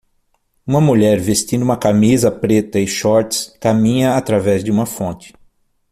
Uma mulher vestindo uma camisa preta e shorts caminha através de uma fonte.